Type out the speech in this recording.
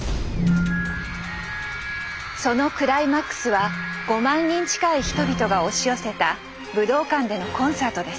そのクライマックスは５万人近い人々が押し寄せた武道館でのコンサートです。